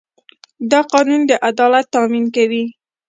دا قانون د عدالت تامین کوي.